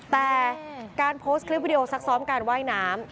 แต่การโพสต์คลิปวิดีโอซักซ้อมการว่ายน้ำ